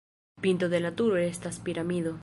Pinto de la turo estas piramido.